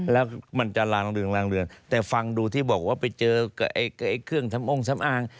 แล้วมันจะลางเรืองลางเรืองแต่ฟังดูที่บอกว่าไปเจอกับเครื่องสำองสำอาง